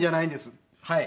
はい。